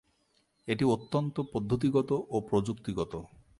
এটি অত্যন্ত পদ্ধতিগত ও প্রযুক্তিগত।